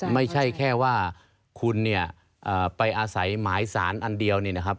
ไม่ใช่แค่ว่าคุณเนี่ยไปอาศัยหมายสารอันเดียวนี่นะครับ